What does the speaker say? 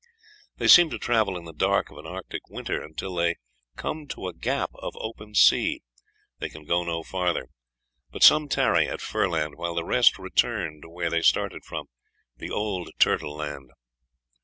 They seem to travel in the dark of an Arctic winter until they come to a gap of open sea. They can go no farther; but some tarry at Firland, while the rest return to where they started from, "the old turtle land."